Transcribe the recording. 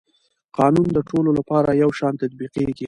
قانون د ټولو لپاره یو شان تطبیقېږي.